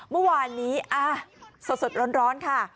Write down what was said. เมื่อวานนี้สดร้อนค่ะ